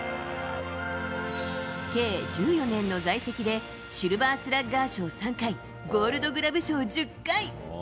計１４年の在籍で、シルバースラッガー賞３回、ゴールドグラブ賞１０回。